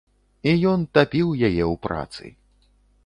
І ён тапіў яе ў працы.